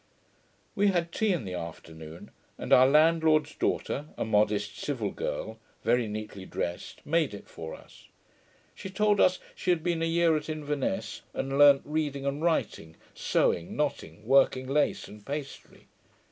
We had tea in the afternoon, and our landlord's daughter, a modest civil girl, very neatly drest, made it for us. She told us, she had been a year at Inverness, and learnt reading and writing, sewing, knotting, working lace, and pastry.